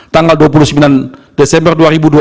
tanggal dua puluh sembilan desember dua ribu dua puluh